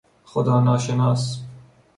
خدا ناشناس